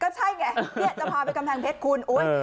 ก็ใช่ไงเนี้ยจะพาไปกำแพงเพชรคุณอุ๊ย